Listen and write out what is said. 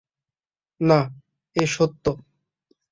না, এ সত্য।